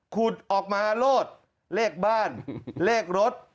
คูดออกมารถเหลียดแบบบ้านเหลียดรถ